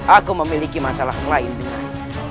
aku memiliki masalah lain dengan